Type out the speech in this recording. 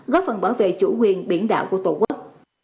góp phần bảo vệ chủ quyền biển đảo của tổ quốc